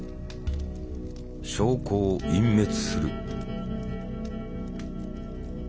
証拠を隠滅する。